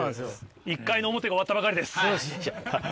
１回の表が終わったばかりです。